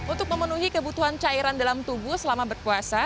untuk memenuhi kebutuhan cairan dalam tubuh selama berpuasa